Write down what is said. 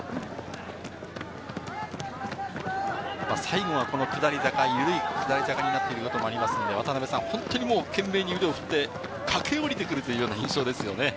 最後は下り坂、緩い下り坂になっていることもありますので、本当に懸命に腕を振って駆け下りてくるという印象ですね。